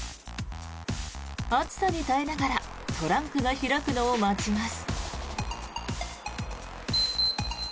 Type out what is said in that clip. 暑さに耐えながらトランクが開くのを待ちます。